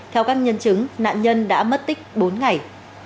theo các nhân chứng nạn nhân đã mất tích bốn ngày